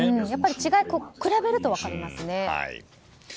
やっぱり違いは比べると分かりますね。